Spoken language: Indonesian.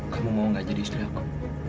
kamu mau gak jadi istri apa